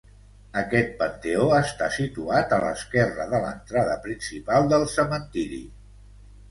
Aquest panteó està situat a l'esquerra de l'entrada principal del cementiri.